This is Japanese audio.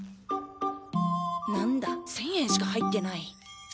何だ１，０００円しか入ってない。